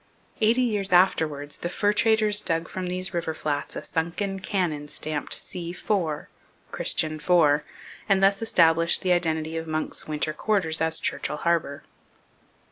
Eighty years afterwards the fur traders dug from these river flats a sunken cannon stamped C 4 Christian IV and thus established the identity of Munck's winter quarters as Churchill harbour.